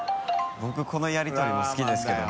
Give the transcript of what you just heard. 僕このやり取りも好きですけどね。